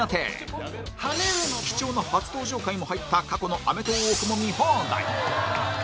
貴重な初登場回も入った過去の『アメトーーク』も見放題！